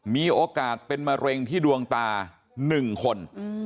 มีโอกาสเป็นมะเร็งที่ดวงตา๑คน